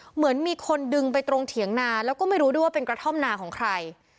เหมือนมีคนดึงไปตรงเถียงนาแล้วก็ไม่รู้ด้วยว่าเป็นกระท่อมนาของใคร